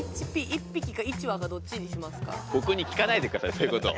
ボクに聞かないでくださいそういうことを。